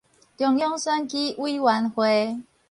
中央選舉委員會